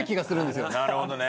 なるほどね。